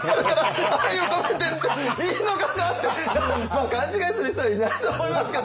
まあ勘違いする人はいないと思いますけどね。